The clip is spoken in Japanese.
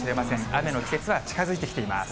雨の季節は近づいてきています。